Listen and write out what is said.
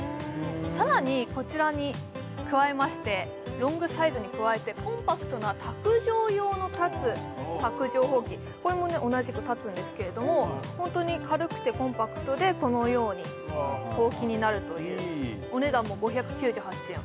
さらにこちらに加えましてロングサイズに加えてコンパクトな卓上用の立つ卓上ほうきこれも同じく立つんですけれどもホントに軽くてコンパクトでこのようにほうきになるというお値段も５９８円